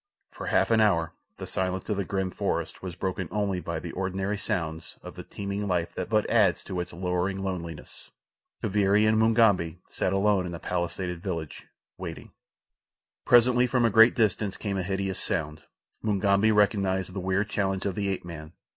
For half an hour the silence of the grim forest was broken only by the ordinary sounds of the teeming life that but adds to its lowering loneliness. Kaviri and Mugambi sat alone in the palisaded village, waiting. Presently from a great distance came a hideous sound. Mugambi recognized the weird challenge of the ape man.